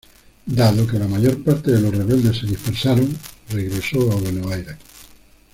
Dado que la mayor parte de los rebeldes se dispersaron, regresó a Buenos Aires.